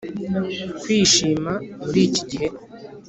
kwishima muri iki gihe